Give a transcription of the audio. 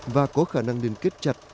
và có khả năng liên kết chặt